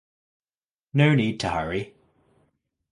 No need to hurry.